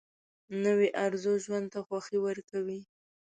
نوې ارزو ژوند ته خوښي ورکوي